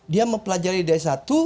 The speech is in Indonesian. dia mempelajari dari satu